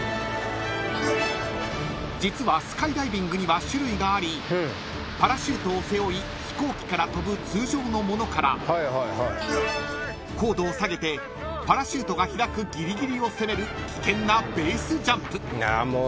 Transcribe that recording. ［実はスカイダイビングには種類がありパラシュートを背負い飛行機から飛ぶ通常のものから高度を下げてパラシュートが開くぎりぎりを攻める危険なベースジャンプ］